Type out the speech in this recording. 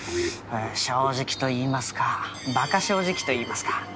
正直といいますかバカ正直といいますか。